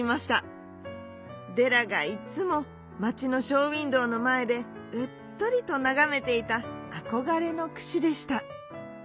デラがいつもまちのショーウインドーのまえでうっとりとながめていたあこがれのくしでした。